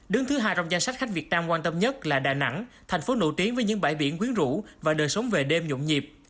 đứng thứ hai trong danh sách khách việt nam quan tâm nhất là đà nẵng thành phố nổi tiếng với những bãi biển quyến rũ và đời sống về đêm nhộn nhịp